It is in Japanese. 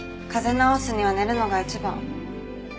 治すには寝るのが一番。